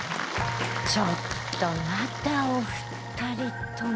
ちょっとまたお二人とも。